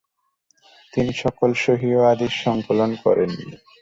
তিনি সকল সহিহ হাদীস সংকলন করেননি।